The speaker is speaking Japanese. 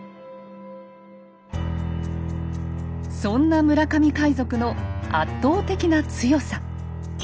そんな村上海賊の圧倒的な強さ。